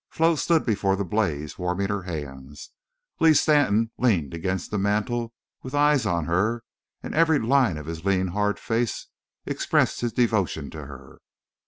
Flo stood before the blaze, warming her hands. Lee Stanton leaned against the mantel, with eyes on her, and every line of his lean, hard face expressed his devotion to her.